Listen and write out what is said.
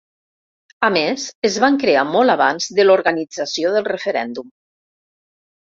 A més, es van crear molt abans de l’organització del referèndum.